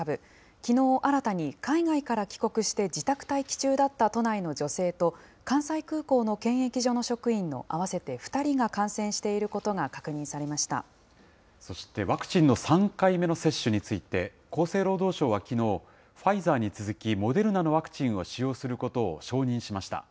きのう新たに海外から帰国して自宅待機中だった都内の女性と、関西空港の検疫所の職員の合わせて２人が感染していることが確認そしてワクチンの３回目の接種について、厚生労働省はきのう、ファイザーに続き、モデルナのワクチンを使用することを承認しました。